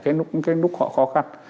cái lúc họ khó khăn